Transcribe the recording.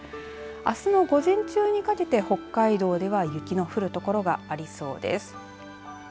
あすの午前中にかけて北海道では雪の降る所がありそうです。